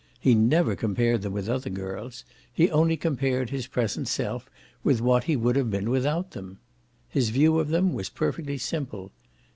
He never compared them with other girls; he only compared his present self with what he would have been without them. His view of them was perfectly simple.